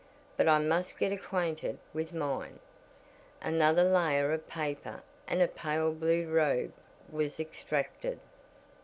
"But I must get acquainted with mine." Another layer of paper and a pale blue robe was extracted.